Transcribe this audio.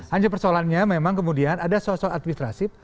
hanya persoalannya memang kemudian ada soal soal administrasi